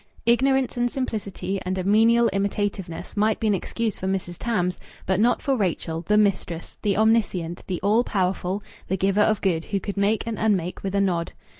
Ignorance and simplicity and a menial imitativeness might be an excuse for Mrs. Tams; but not for Rachel, the mistress, the omniscient, the all powerful, the giver of good, who could make and unmake with a nod.